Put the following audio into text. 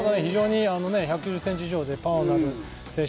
１９０ｃｍ以上でパワーのある選手